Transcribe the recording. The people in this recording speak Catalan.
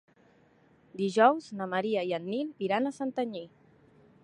Dijous na Maria i en Nil iran a Santanyí.